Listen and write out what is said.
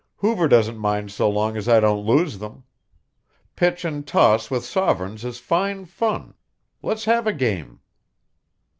"Hoover doesn't mind so long as I don't lose them. Pitch and toss with sovereigns is fine fun, let's have a game?"